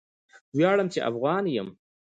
ویاړم چې افغان یم!